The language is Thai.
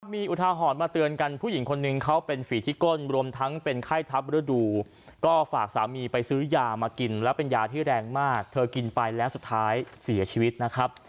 มีอุทาหรณ์มาเตือนกันผู้หญิงคนนึงเขาเป็นฝีที่ก้นรวมทั้งเป็นไข้ทับฤดูก็ฝากสามีไปซื้อยามากินแล้วเป็นยาที่แรงมากเธอกินไปแล้วสุดท้ายเสียชีวิตนะครับ